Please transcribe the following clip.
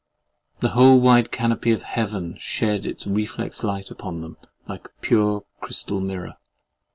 The whole wide canopy of Heaven shed its reflex light upon them, like a pure crystal mirror.